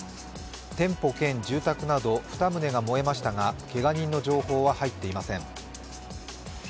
店舗兼住宅など２棟が燃えましたがけが人の情報は入っていません。